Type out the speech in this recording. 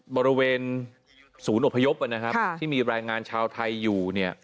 บริเวณสูรนบคฎยกษ์แล้วที่มีแบรงงานชาวไทยอยู่